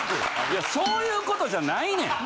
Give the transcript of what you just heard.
いやそういう事じゃないねん。